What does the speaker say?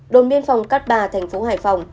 đồn biên phòng cát bà thành phố hải phòng